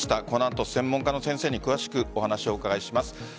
この後、専門家の先生に詳しくお話を伺います。